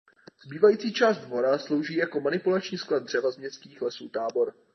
Zbývající část dvora slouží jako manipulační sklad dřeva z městských lesů Tábor.